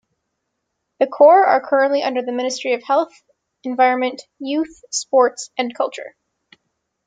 The Corps are currently under the Ministry of Health, Environment, Youth, Sports and Culture.